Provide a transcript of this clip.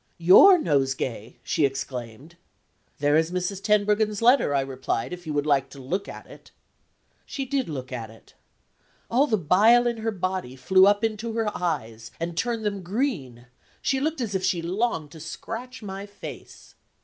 "Your nosegay!" she exclaimed. "There is Mrs. Tenbruggen's letter," I replied, "if you would like to look at it." She did look at it. All the bile in her body flew up into her eyes, and turned them green; she looked as if she longed to scratch my face.